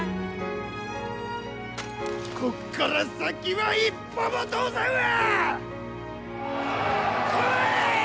こっから先は一歩も通さんわ！